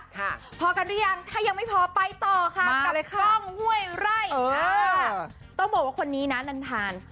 ต้องบอกว่าคนนี้นะนางทาน